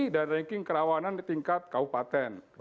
dan ranking kerawanan tingkat kabupaten